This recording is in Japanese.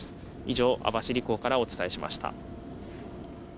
以上、網走港からお伝えしました。